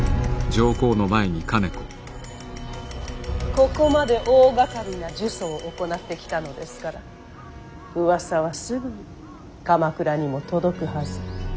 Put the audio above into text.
ここまで大がかりな呪詛を行ってきたのですからうわさはすぐに鎌倉にも届くはず。